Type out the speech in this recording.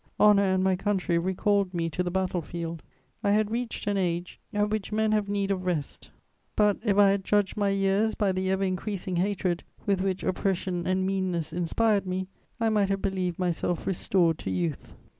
Honour and my country recalled me to the battle field. I had reached an age at which men have need of rest; but, if I had judged my years by the ever increasing hatred with which oppression and meanness inspired me, I might have believed myself restored to youth.